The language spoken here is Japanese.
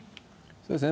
そうですね。